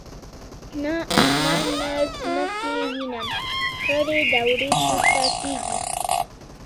نه اسمان نه مځکه وینم خړي دوړي پورته کیږي